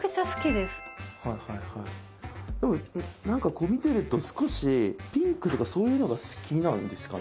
でも何かこう見てると少しピンクとかそういうのが好きなんですかね。